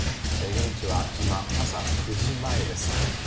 現地は今、朝９時前です。